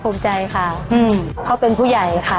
ภูมิใจค่ะเขาเป็นผู้ใหญ่ค่ะ